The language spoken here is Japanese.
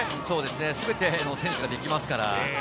すべての選手ができますからね。